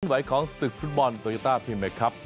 เป็นวัยของศึกฟุตมอนโตยต้าพิมพ์นะครับ